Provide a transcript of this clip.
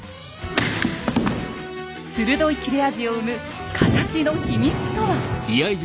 鋭い切れ味を生む形の秘密とは？